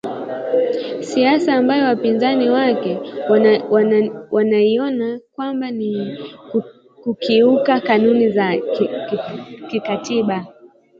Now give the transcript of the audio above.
siasa ambayo wapinzani wake wanaiona kwamba ni kukiuka kanuni za kikatiba